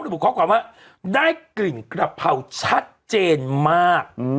หรือผมขอบความว่าได้กลิ่นกะเพราชัดเจนมาก